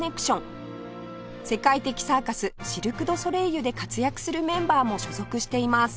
世界的サーカスシルク・ドゥ・ソレイユで活躍するメンバーも所属しています